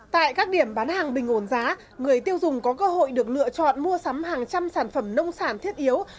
tại các điểm bán hàng bình ổn giá người tiêu dùng có cơ hội được lựa chọn mua sắm hàng trăm sản phẩm nông sản thiết yếu